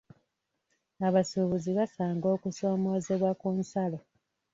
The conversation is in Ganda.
Abasuubuzi basanga okusoomoozebwa ku nsalo.